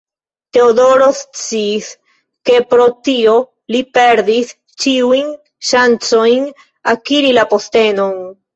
Teodoro sciis, ke pro tio li perdis ĉiujn ŝancojn akiri la postenon.